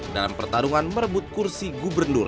dalam pertarungan merebut kursi gubernur